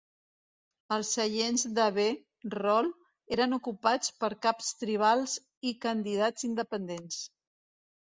Els seients de "B" Roll eren ocupats per caps tribals i candidats independents.